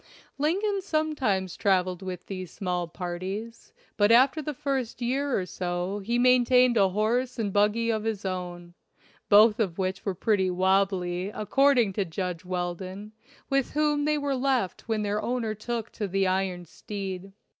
Lincoln sometimes trav eled with these small parties, but after the first year or so he maintained a horse and buggy of his own, both of which were pretty "wobbly" according to Judge Weldon, with whom they were left when their owner took to the iron steed.